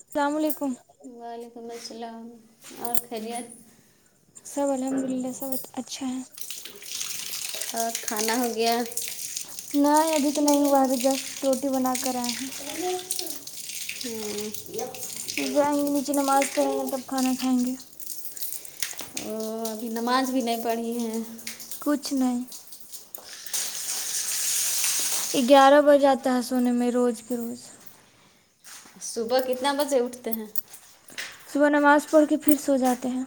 السلام علیکم وعلیکم السلام اور خیریت سب الحمد للہ سب اچھا ہے اور کھانا ہو گیا نہیں ابھی تو نہیں ہوا ابھی جسٹ روٹی بنا کر آئے ہیں ہوں پھر جائیں گے نیچے نماز پڑیں گے تب کھانا کھائیں گے او ابھی نماز بھی نہیں پڑھی ہیں کچھ نہیں گیارہ بج جاتا ہے سونے میں روز کے روز صبح کتنا بجے اٹھتے ہیں صبح نماز پڑھ کے پھر سو جاتے ہیں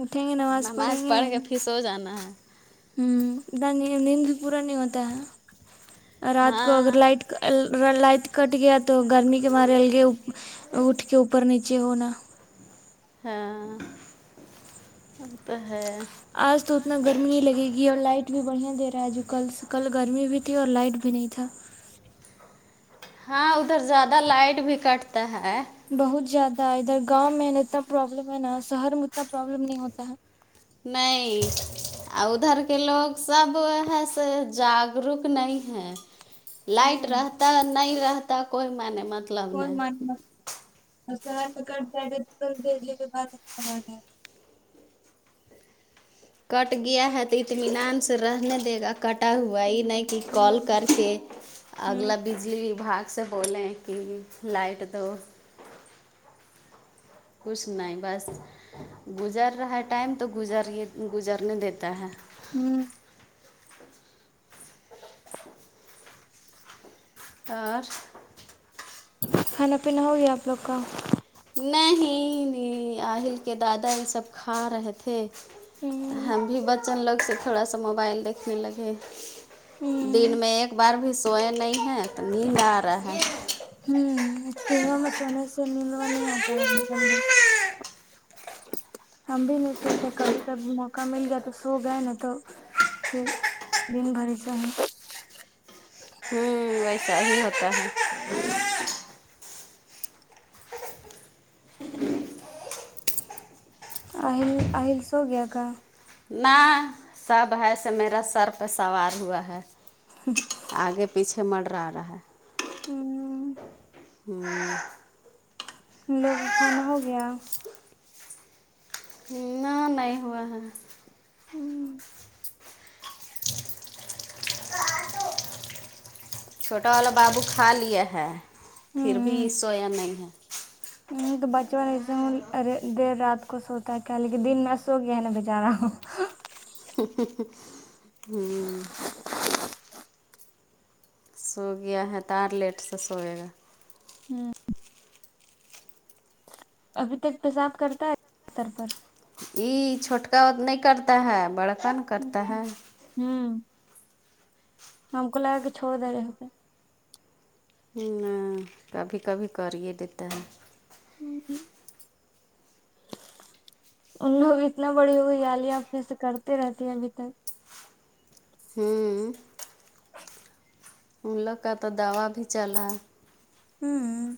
اٹھیں گے نماز پڑھیں گے پڑھ کے پھر سو جانا ہے ہوں ادھر نیند نیند بھی پورا نہیں ہوتا ہے رات کو اگر ہاں لائٹ الر لائٹ کٹ گیا تو گرمی کے مارے الگ یے اپ اٹھ کے اوپر نیچے ہونا ہاں وہ تو ہے آج تو اتنا گرمی نہیں لگے گی اور لائٹ بھی بڑھیا دے رہا ہے جو کل سے کل گرمی ہوئ ت تھی اور لائٹ بھی نہیں تھا ہاں ادھر زیادہ لائٹ بھی کٹتا ہے بہت زیادہ ادھر گاؤں میں نا اتنا پربلم ہے نا شہر میں اتنا پربلم نہیں ہوتا ہے نہیں آو ادھر کے لوگ سب ویسے جاگروک نہیں ہیں لائٹ ہوں رہتا نہیں رہتا کوئی معنی مطلب فور نہیں منت میں قھرچا تو کرتے ہے کہ سب دے دی یہ کے بات میں کٹ گیا ہے تو اطمینان سے رہنے دے گا کٹا ہوا ہے یہ نہیں کہ کال ہوں کر کے ہوں اگلا بھی بجلی وباگ سے بولیں کہ لائٹ دو کچھ نہیں بس گزر رہا ہے ٹائم تو گزر گزرنے دیتا ہے ہوں اور کھانا پینا ہو گیا آپ لوگ کا نہیں نہیں آہل کے دادا یہ سب کھا رہے تھے ہوں ہم بھی بچوں لوگ سے تھوڑا سا موبائل دیکھنے لگے ہی دن میں ایک بار بھی سوئے نہیں ہیں تو نیند آ رہا ہے ہوں دنوں میں سونے سے نیلوا نہیں آتا ہے ابھی جلدی ہم بھی نہیں سوتے کبھی کبھی موقع مل گیا تو سو گئے نا تو پھر دن بھر چاہے تو ویسا ہی ہوتا ہے آل آل سو گیا کا نہ سب ہےسے میرا سر پہ سوار ہوا ہے ہ آگے پیچھے مندرہ رہا ہے ہوں ہوں لوگ کا کھانا ہو گیا نہ نہیں ہوا ہے ہمم چھوٹا والا بابو کھا لیے ہے پھر بھی سویا نہیں ہے ہ تو بچپن ایسے ہوں دیر رات کو سوتا ہے کیا لیکن دن میں سو گیا نا بیچارا ہوں ہوں سو گیا ہے توارو لیٹ سے سوئے گا ہاں ابھی تک پیساب کرتا ہےبستر پر یہ چھوٹکا و نہیں کرتا ہے بڑکا ن کرتا ہے ہوں ہم کو لگا کے چھوڑ دے رہے ہوتے ہم کبھی کبھی کر ہی دیتا ہے ہوں ان لوگ اتنا بڑی ہو گئی ہے علیہ اپنے سے کرتے رہتی ہیں ابھی تک ہوں ان لوگ کا تو دوا بھی چلاا ہوں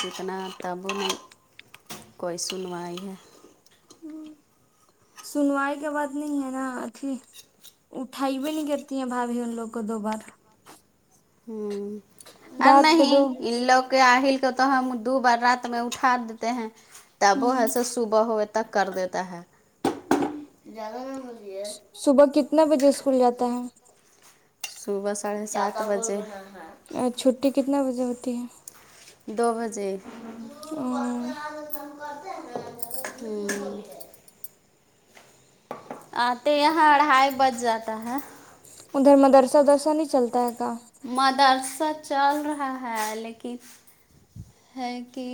کتنا تب میں کوئی سنوائی ہے ہ سنوائی کا بات نہیں ہے نا اھی اٹھائی بھی نہیں کرتی ہیں بھابی ان لوگ کو دو بار ہ اور رات کو دو نہیں ان لوگ آہل کے تو ہم دو بار رات میں اٹا دیتے ہیں تب وہ ہمم ہےسو صبح ہو ئےتک تک کر دیتا ہے ہمم زیادہ میں پسی ہے صبح کتنا بجے اسکول جاتا ہے صبح ساڑھے سات بجے چھٹی کتنا بجے ہوتی ہے دو بجے ہ ہوں آتے یہاں اڑھائی بج جاتا ہے ادھر مدرسہ ودرسا نہیں چلتا ہے کا مدرسہ چل رہا ہے لیکن ہے کہ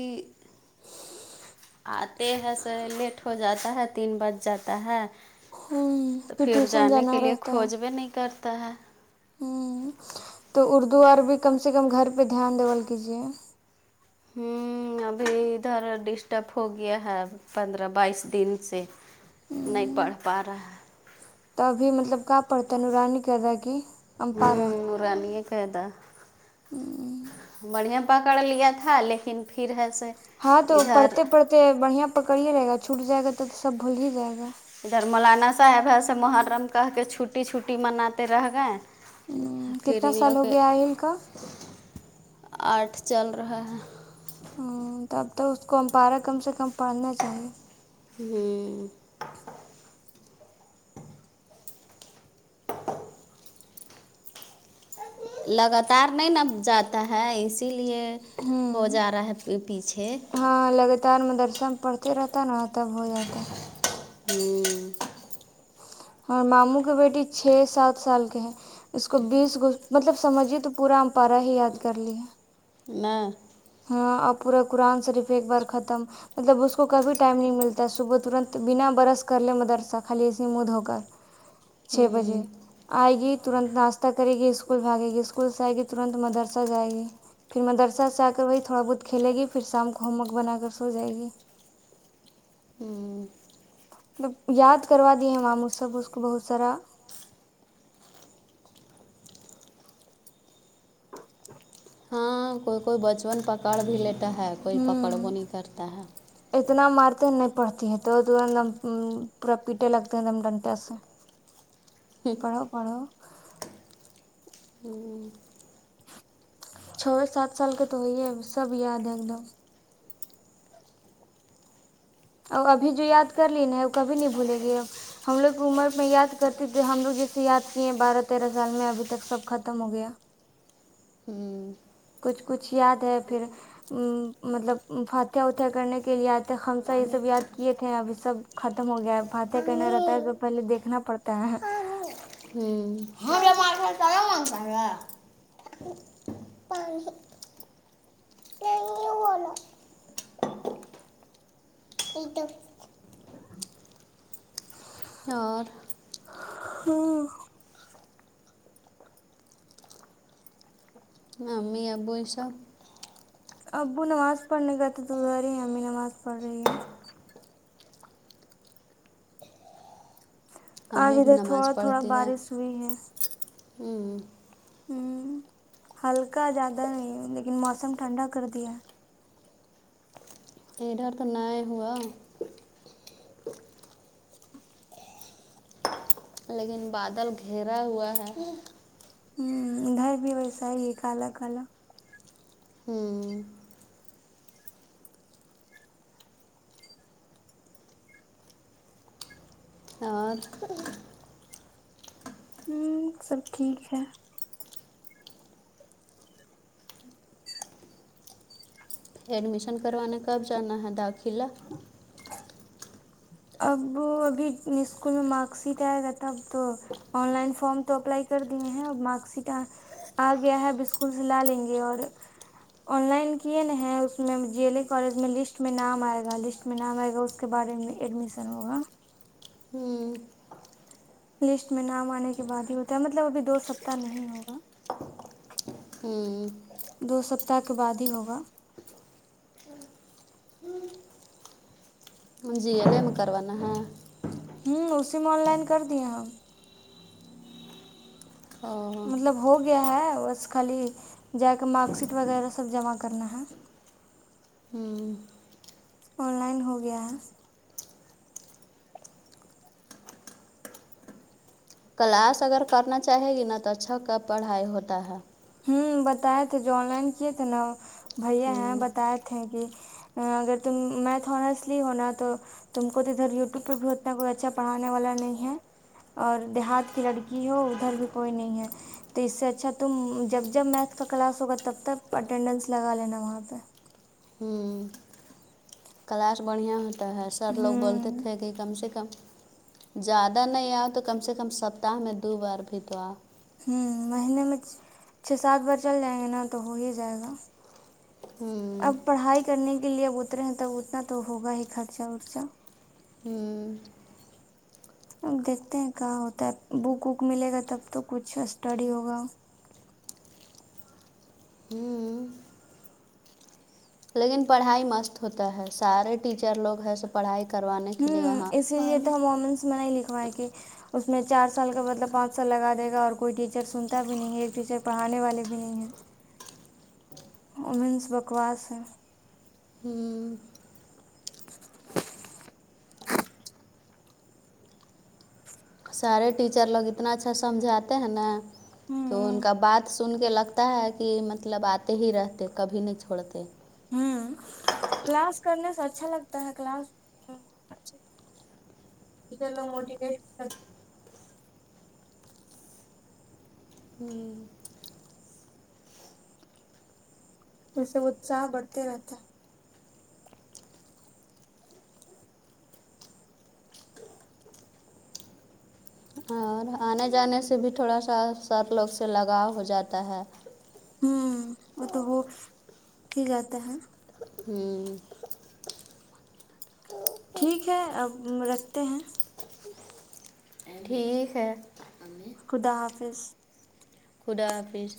آتے ہیں س لیٹ ہو جاتا ہے تین بج جاتا ہے تو پھر ٹیوشن جانے کے جانا لیے کھوج بھی نہیں کرتا ہے ہوں تو اردو اورر بھی کم سے کم گھر پہ دھیان دیول کیجیے ہوں ابھی ادھر ڈسٹرب ہو گیا ہے پندرہ بائیس دن سے نہیں پڑھ پا رہا ہے تبھی مطلب کہ پڑتا نورانی کر رہا کی ہم پا رہا پانی کادا بڑیا پکڑ لیا تھا لیکن پھر ہے سے ہاں تو ادھر پڑھتے پڑھتے بڑھیا پکڑ رہے گا چھوٹ جائے گا تو تو سب بھول ہی جائے گا ادھر مولانا صاحب ہے س محرم کہ کے چھٹٹی چھٹٹی مناتے رہ گئے فر کتنا انلوگو سال ہو کے گیا آئل کا آرٹ چل رہا ہیں ہوں تب تو اس کو ہم پارا کم سے کم پڑھنا چاہیے ہوں لگاتار نہیں نب جاتا ہے اس اسی لیے ہو ہوں جا رہا ہے پیچھے تان م درسن پڑھتے رہتا نا تب ہو جاتا ہوں اورار ماموں کے بیٹی چھ سات سال کے ہے اس کو بیس گ مطلب سمجھیے تو پورا امپارا ہی یاد کر لیے نہ ہاں اور پورا قرآن صریف ایک بار ختم مطلب اس کو کبھی ٹائم نہیں ملتا صبح ترنت بنا برش کر لے مدرسہ خالی اسے مھ ہو کر چھ بجے آئے گی ترنت ناشتہ کرے گی اسکول بھاگے گی اسکول سے آئے گی ترنت مدرسہ جائے گی پھر مدرسہ سے آ کر وہی تھوڑا بہت کھیلے گی پھر شام کو ہوم ورک بنا کر سو جائے گی ہاں مطلب یاد کروا دی ہیں مام اس سب اس کو بہت سارا ہاں کوئی کوئی بچپن پکڑ بھی لیتا ہے کوئی پکڑ وہو ہوں نہیں کرتا ہے اتنا مارتے نہیں پڑتی ہے تو تورم پورا پیٹے لگتے ہیں دم ڈنٹے سے پڑھو پڑھو ہوں چے سات سال کے تو ہوی ہے سب یاد ہے ایک دم اور ابھی جو یاد کر لی نا ہے وہ کبھی نہیں بھولیں گی ہم لوگ عمر میں یاد کرتے تھے ہم لوگ جیسے یاد کیے بارہ تیرہ سال میں ابھی تک سب ختم ہو گیا کچھ کچھ یاد ہے پھر مطلب فاتحہ وتھیا کرنے کے لیے آئے تھے خمسہ یہ پانی سب یاد کیے تھے ابھی سب ختم ہو گیا ہے باتیں کہنا رہتا ہے تو پہلے دیکھنا پڑتا ہے [unintelligible] ہ ہمے مار نا من پ رہا پانی کہی والا ایک دم اور ہاں امی ابو سب ابو نماز پڑھنے کا تو ادر ہی ہے امی نماز پڑھ رہی ہے آج امی بھی ادھر نماز تھوڑا تھوڑا پڑھتی ہیں بارش ہوئی ہے ہمم ہوں ہلکا زیادہ نہیں لیکن موسم ٹھنڈا کر دیا ادھر تو نئی ہوا لیکن بادل گھیرا ہوا ہے ہوں ادھر بھی ویسے ہی ہے کالا کالا ہوں اور ہوں سب ٹھیک ہے ایڈمیشن کروانے کب جانا ہے داخلہ [inaudible] اب ابھی اسکول میں مارک شیٹ آے گا تب تو آن لائن فارم تو اپلائی کر دیے ہیں اور مارک شیٹ آ گیا ہے اب اسکول سے لا لیں گے اور آن لائن کیے نا ہے اس میں جی ایل کالج میں لسٹ میں نام آئے گا لسٹ نام آئے گا اس کے بارے میں ایڈمیشن ہوگا ہوں لسٹ میں نام آنے کے بعد ہی ہوتا ہے مطلب ابھی دو سپتہ نہیں ہوگا ہوں دو سپتہ کے بعد ہی ہوگا جی آن لائن کروانا ہے ہوں اسی میں آن لائن کر دیا ہم او مطلب ہو گیا ہے بس خالی جا کے مارک شیٹ وغیرہ سب جمع کرنا ہے ہوں آن لائن ہو گیا کلاس اگر کرنا چاہے گی نا تو اچھا کا پڑھائی ہوتا ہے ہوں بتائے تھے جو آن لائن کیے تھے نا بھیا ہیں ہوں بتائے تھے کہ اگر تم میتھ آنسلی ہونا تو تم کو تو ادھر یوٹیوب پہ بھی اتنا کوئی اچھا پڑھانے والا نہیں ہے اور دیہات کی لڑکی ہو ادھر بھی کوئی نہیں ہے تو اس سے اچھا تم جب میتھ کا کلاس ہوگا تب تک اٹینڈنس لگا لینا وہاں پہ ہوں کلاس بڑھیا ہوتا ہے سر لوگ بولتے ہوں تھے کہ کم سے کم زیادہ نہیں آؤ تو کم سے کم سپتہ میں دو بار بھی تو آ ہوں مہینے میں چھ سات بار چل جائیں گے نا تو ہو ہی جائے گا ہوں اب پڑھائی کرنے کے لیے اب اترے ہیں تب اتنا تو ہوگا ہی خرچہ رچہ ہوں دیکھتے ہیں کہ ہوتا ہے بک وک ملے گا تب تو کچھ اسٹڈی ہوگا ہوں لیکن پڑھائی مست ہوتا ہے سارے ٹیچر لوگ ہے سب پڑھائی کروا ہوں اسی لیے تو ہم وومنس میں نہیں لکھوائے کہ اس میں چار سال کا مطلب پانچ سال لگا دے گا اور کوئی ٹیچر سنتا بھی نہیں ایک ٹیچر پڑھانے والے بھی نہیں ہیں وومنس بکواس ہیں ہوں [inaudible] سارے ٹیچر لوگ اتنا اچھا سمجھاتے ہیں نا ہوں تو ان کا بات سن کے لگتا ہے کہ مطلب آتے ہی رہتے کبھی نہیں چھوڑتے ہمم کلاس کرنے سے اچھا لگتا ہے کلاس [unintelligible] ہوں اس سے اتساہ بڑھتے رہتا ہے اور آنے جانے سے بھی تھوڑا سا سب لوگ سے لگاؤ ہو جاتا ہے ہوں وہ تو وہ کی جاتا ہیں ہوں ٹھیک ہے اب رکھتے ہیں ٹھیک ہے خدا حافظ خدا حافظ